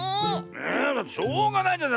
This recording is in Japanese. えだってしょうがないじゃない。